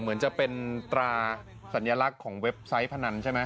เหมือนจะเป็นตราสัญลักษณ์ของเว็บไซต์พนันใช่ไหม